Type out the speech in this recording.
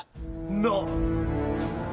なっ！